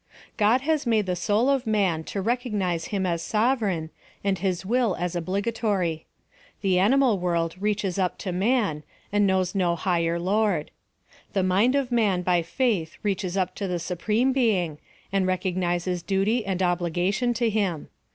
God has made the soul of man to recognize him as sovereign, and his will as obligatory. The ani mal mind reaches up to man, and knows no higher lord. The mind of man by faith reaches up to the Supreme Being, and recognizes duty and obligation to him.